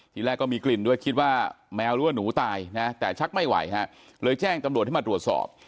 ทีแรกก็มีกลิ่นด้วยคิดว่าแมวหรือว่าหนูตายนะแต่ชักไม่ไหวฮะเลยแจ้งตำรวจให้มาตรวจสอบ